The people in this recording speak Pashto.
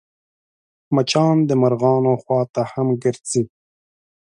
مچان د مرغانو خوا ته هم ګرځي